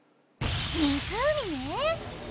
湖ね！